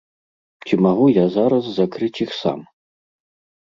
Ці магу я зараз закрыць іх сам?